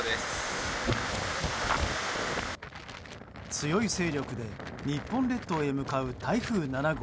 強い勢力で日本列島へ向かう台風７号。